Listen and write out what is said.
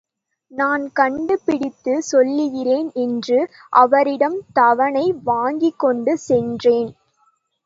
நான் கண்டு பிடித்துச் சொல்கிறேன் என்று அவரிடம் தவணை வாங்கிக் கொண்டு சென்றேன்.